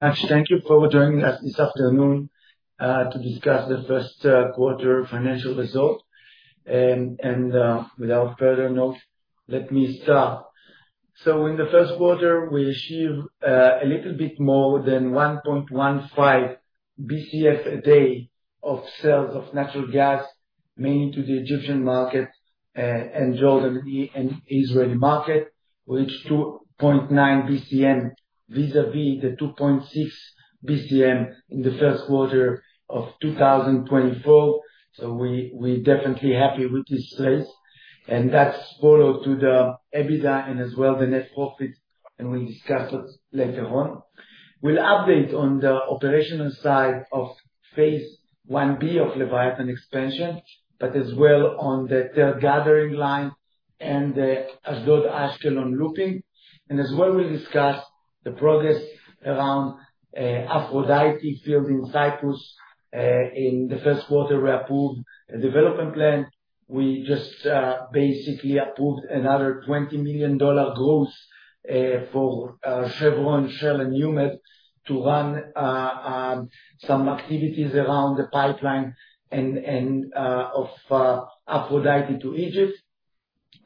Thank you for joining us this afternoon to discuss the first quarter financial results. Without further ado, let me start. In the first quarter, we achieved a little bit more than 1.15 BCF a day of sales of natural gas, mainly to the Egyptian market and Jordan and Israeli market, reached 2.9 BCM vis-à-vis the 2.6 BCM in the first quarter of 2024. We are definitely happy with this rate. That is followed to the EBITDA and as well the net profit, and we will discuss that later on. We will update on the operational side of phase 1B of Leviathan expansion, as well on the third gathering line and the Ashdod-Ashkelon looping. We will also discuss the progress around Aphrodite Field in Cyprus. In the first quarter, we approved a development plan. We just basically approved another $20 million gross for Chevron, Shell, and NewMed to run some activities around the pipeline of Aphrodite to Egypt.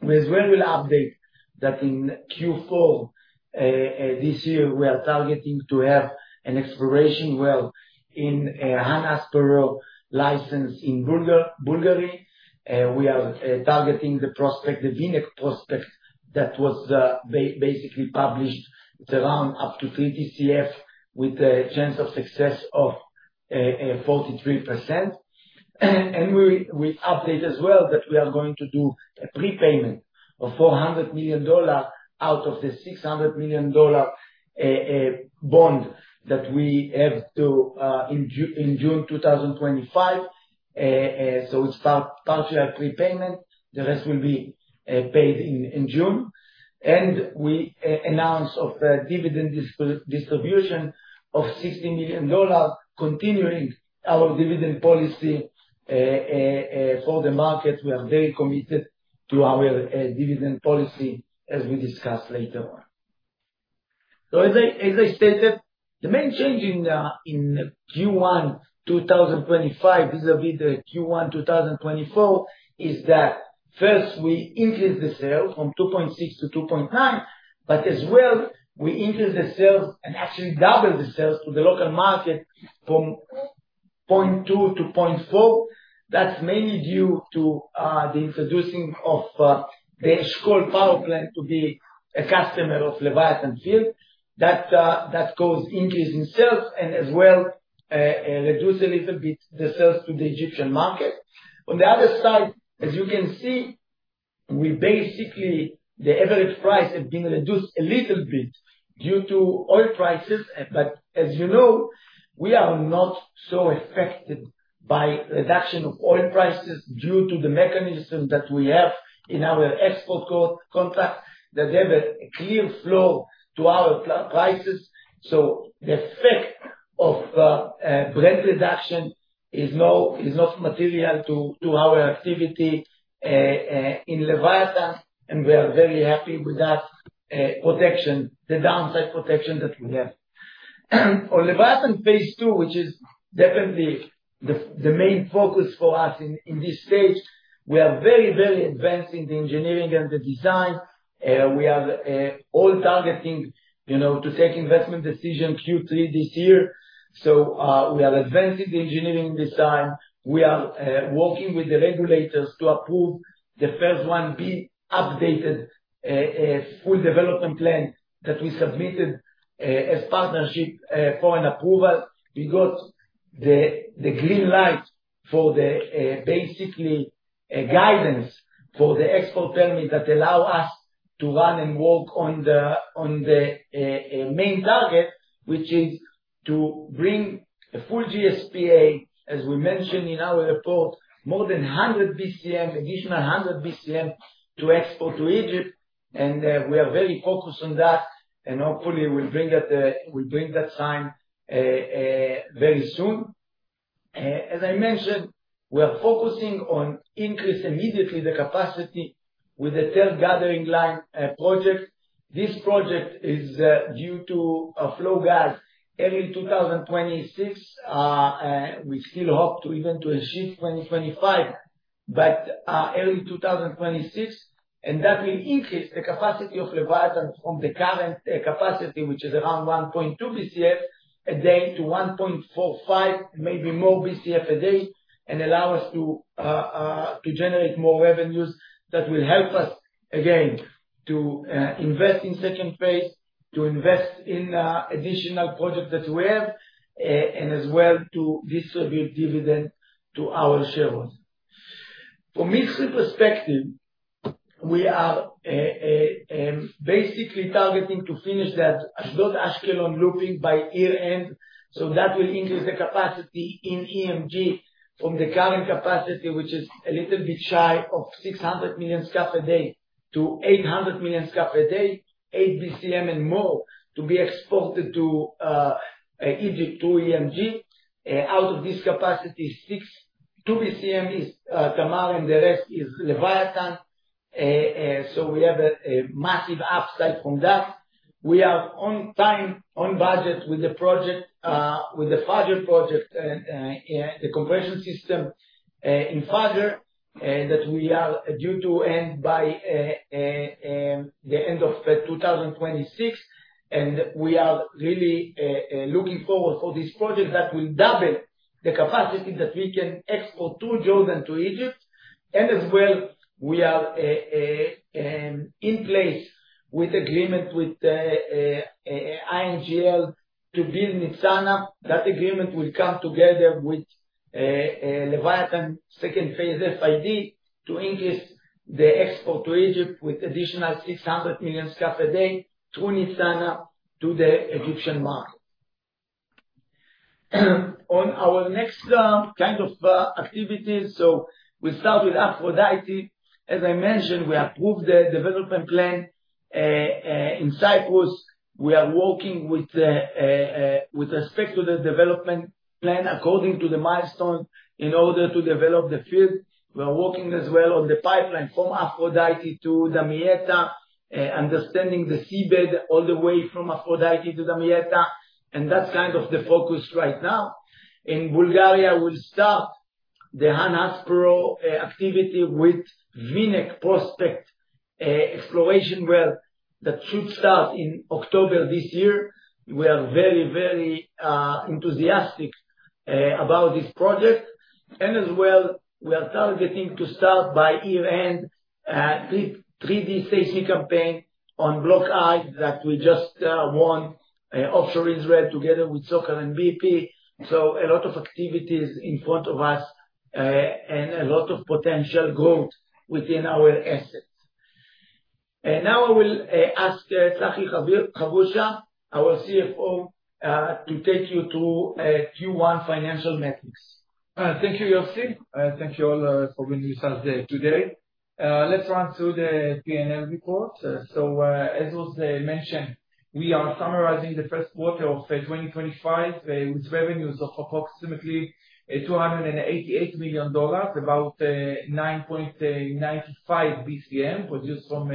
We as well will update that in Q4 this year, we are targeting to have an exploration well in Han Asparuh license in Bulgaria. We are targeting the prospect, the Vinekh prospect that was basically published, it's around up to 30 CF with a chance of success of 43%. We update as well that we are going to do a prepayment of $400 million out of the $600 million bond that we have in June 2025. It is partial prepayment. The rest will be paid in June. We announced a dividend distribution of $60 million, continuing our dividend policy for the market. We are very committed to our dividend policy, as we discussed later on. As I stated, the main change in Q1 2025 vis-à-vis Q1 2024 is that first, we increased the sales from 2.6 to 2.9, but as well, we increased the sales and actually doubled the sales to the local market from 0.2 to 0.4. That is mainly due to the introducing of the Eshkol Power Plant to be a customer of Leviathan Field. That caused an increase in sales and as well reduced a little bit the sales to the Egyptian market. On the other side, as you can see, the average price has been reduced a little bit due to oil prices. As you know, we are not so affected by the reduction of oil prices due to the mechanism that we have in our export contracts that have a clear flow to our prices. The effect of brand reduction is not material to our activity in Leviathan, and we are very happy with that protection, the downside protection that we have. On Leviathan phase two, which is definitely the main focus for us in this stage, we are very, very advanced in the engineering and the design. We are all targeting to take investment decisions Q3 this year. We are advancing the engineering design. We are working with the regulators to approve the first 1B updated full development plan that we submitted as partnership for an approval. We got the green light for basically guidance for the export permit that allows us to run and work on the main target, which is to bring a full GSPA, as we mentioned in our report, more than 100 BCM, additional 100 BCM to export to Egypt. We are very focused on that, and hopefully, we'll bring that sign very soon. As I mentioned, we are focusing on increasing immediately the capacity with the third gathering line project. This project is due to flow gas early 2026. We still hope to even achieve 2025, but early 2026. That will increase the capacity of Leviathan from the current capacity, which is around 1.2 BCF a day to 1.45, maybe more BCF a day, and allow us to generate more revenues that will help us, again, to invest in second phase, to invest in additional projects that we have, and as well to distribute dividends to our shareholders. From a mixed perspective, we are basically targeting to finish that Ashdod-Ashkelon looping by year-end. That will increase the capacity in EMG from the current capacity, which is a little bit shy of 600 million SCF a day to 800 million SCF a day, 8 BCM and more to be exported to Egypt through EMG. Out of this capacity, 2 BCM is Tamar, and the rest is Leviathan. We have a massive upside from that. We are on time, on budget with the project, with the FAJR project, the compression system in FAJR that we are due to end by the end of 2026. We are really looking forward for this project that will double the capacity that we can export to Jordan and to Egypt. As well, we are in place with agreement with INGL to build Nitzana. That agreement will come together with Leviathan second phase FID to increase the export to Egypt with additional 600 million SCF a day through Nitzana to the Egyptian market. On our next kind of activities, we'll start with Aphrodite. As I mentioned, we approved the development plan in Cyprus. We are working with respect to the development plan according to the milestones in order to develop the field. We are working as well on the pipeline from Aphrodite to Damietta, understanding the seabed all the way from Aphrodite to Damietta. That's kind of the focus right now. In Bulgaria, we'll start the Han Asparuh activity with Vinekh prospect exploration, which should start in October this year. We are very, very enthusiastic about this project. We are targeting to start by year-end 3D safety campaign on block I that we just won offshore Israel together with SOCAR and BP. A lot of activities in front of us and a lot of potential growth within our assets. I will ask Tzachi Habusha, our CFO, to take you through Q1 financial metrics. Thank you, Yossi. Thank you all for being with us today. Let's run through the P&L report. As was mentioned, we are summarizing the first quarter of 2025 with revenues of approximately $288 million, about 9.95 BCM produced from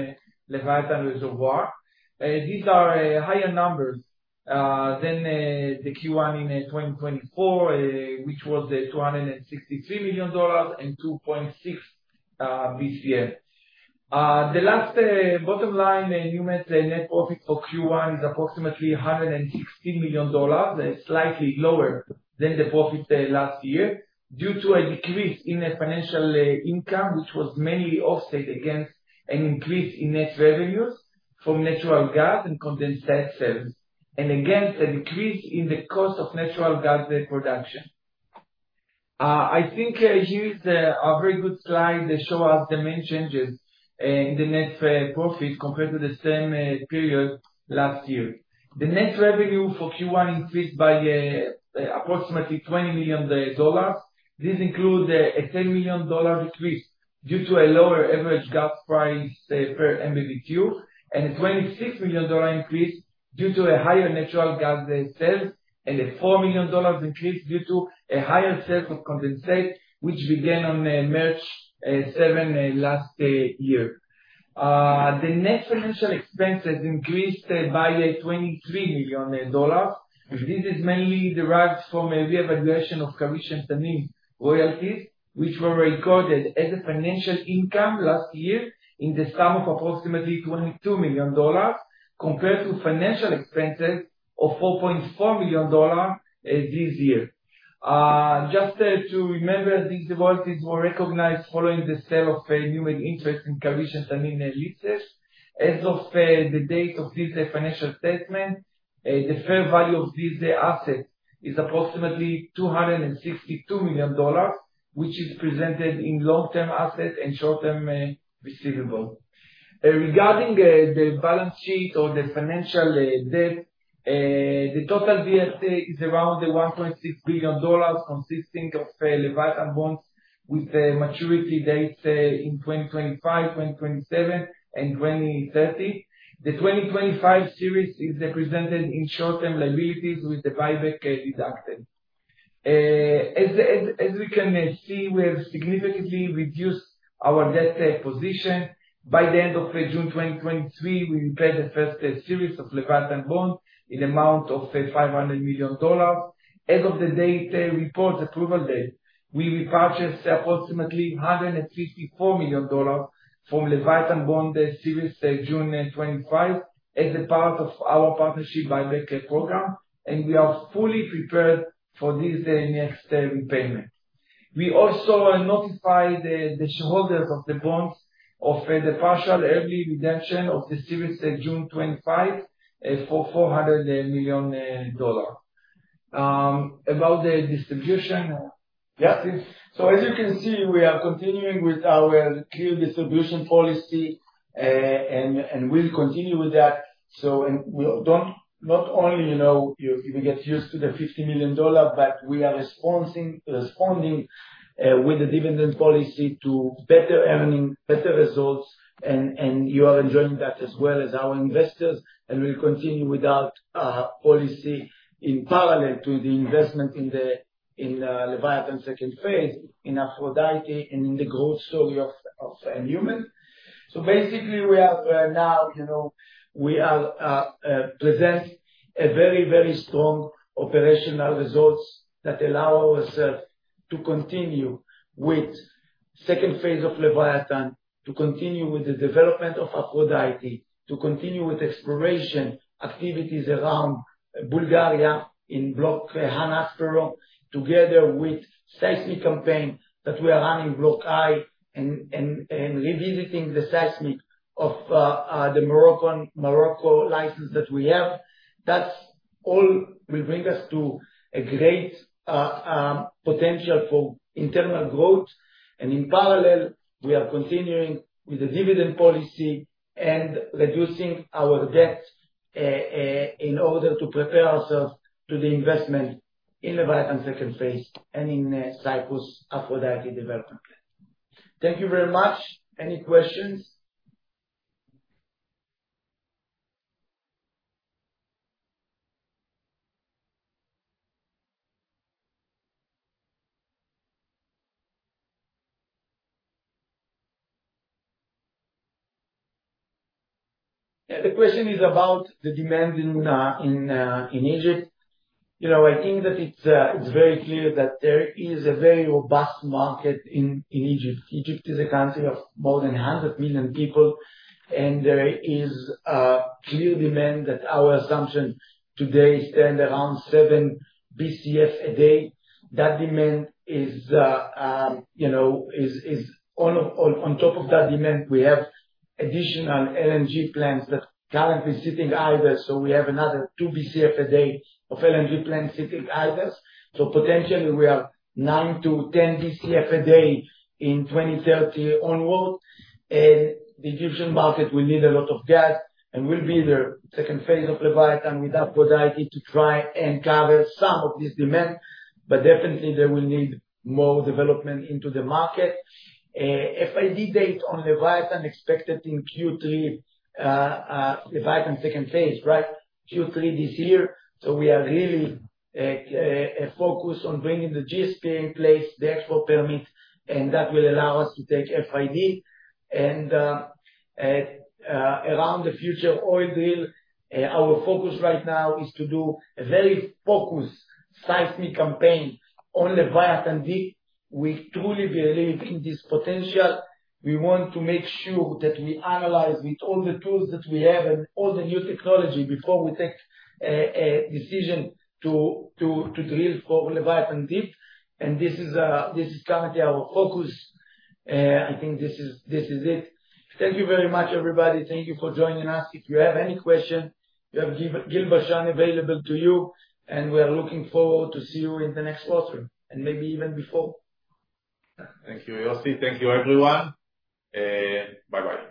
Leviathan reservoir. These are higher numbers than the Q1 in 2024, which was $263 million and 2.6 BCM. The last bottom line, NewMed's net profit for Q1 is approximately $116 million, slightly lower than the profit last year due to a decrease in financial income, which was mainly offset against an increase in net revenues from natural gas and condensate sales, and against a decrease in the cost of natural gas production. I think here is a very good slide that shows us the main changes in the net profit compared to the same period last year. The net revenue for Q1 increased by approximately $20 million. This includes a $10 million decrease due to a lower average gas price per MMBTU, and a $26 million increase due to a higher natural gas sales, and a $4 million increase due to a higher sales of condensate, which began on March 7 last year. The net financial expenses increased by $23 million. This is mainly derived from a reevaluation of Karish and Tanin royalties, which were recorded as a financial income last year in the sum of approximately $22 million compared to financial expenses of $4.4 million this year. Just to remember, these royalties were recognized following the sale of NewMed Interest and Karish and Tanin Leases. As of the date of this financial statement, the fair value of these assets is approximately $262 million, which is presented in long-term assets and short-term receivables. Regarding the balance sheet or the financial debt, the total debt is around $1.6 billion, consisting of Leviathan bonds with maturity dates in 2025, 2027, and 2030. The 2025 series is presented in short-term liabilities with the buyback deduction. As we can see, we have significantly reduced our debt position. By the end of June 2023, we repaid the first series of Leviathan bonds in the amount of $500 million. As of the date report's approval date, we repurchased approximately $154 million from Leviathan bond series June 25 as a part of our partnership buyback program, and we are fully prepared for this next repayment. We also notified the shareholders of the bonds of the partial early redemption of the series June 25 for $400 million. About the distribution, Yossi? As you can see, we are continuing with our clear distribution policy, and we'll continue with that. Not only if you get used to the $50 million, but we are responding with the dividend policy to better earning, better results, and you are enjoying that as well as our investors. We will continue with our policy in parallel to the investment in Leviathan second phase, in Aphrodite, and in the growth story of NewMed. Basically, we are now, we present very, very strong operational results that allow us to continue with the second phase of Leviathan, to continue with the development of Aphrodite, to continue with exploration activities around Bulgaria in block Han Asparuh, together with seismic campaign that we are running block I and revisiting the seismic of the Morocco license that we have. That all will bring us to a great potential for internal growth. In parallel, we are continuing with the dividend policy and reducing our debt in order to prepare ourselves for the investment in Leviathan second phase and in Cyprus Aphrodite development plan. Thank you very much. Any questions? Yeah, the question is about the demand in Egypt. You know, I think that it's very clear that there is a very robust market in Egypt. Egypt is a country of more than 100 million people, and there is clear demand that our assumption today stands around 7 BCF a day. That demand is on top of that demand, we have additional LNG plants that are currently sitting idle. We have another 2 BCF a day of LNG plants sitting idle. Potentially, we are 9-10 BCF a day in 2030 onward. The Egyptian market will need a lot of gas, and we will be the second phase of Leviathan with Aphrodite to try and cover some of this demand. They will definitely need more development into the market. FID date on Leviathan expected in Q3, Leviathan second phase, right? Q3 this year. We are really focused on bringing the GSPA in place, the export permit, and that will allow us to take FID. Around the future oil drill, our focus right now is to do a very focused seismic campaign on Leviathan deep. We truly believe in this potential. We want to make sure that we analyze with all the tools that we have and all the new technology before we take a decision to drill for Leviathan deep. This is currently our focus. I think this is it. Thank you very much, everybody. Thank you for joining us. If you have any questions, you have Guil Bashan available to you, and we are looking forward to seeing you in the next ballroom and maybe even before. Thank you, Yossi. Thank you, everyone. Bye-bye.